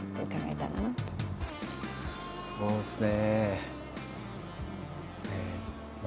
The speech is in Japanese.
そうですね。